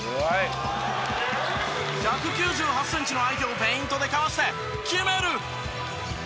１９８センチの相手をフェイントでかわして決める！